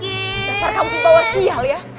dasar kamu dibawa sial ya